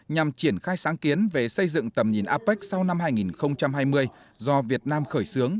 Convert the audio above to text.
nhằm triển khai sáng kiến về xây dựng tầm nhìn apec sau năm hai nghìn hai mươi do việt nam khởi xướng